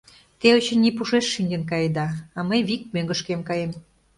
Те, очыни, пушеш шинчын каеда, а мый вик мӧҥгышкем каем.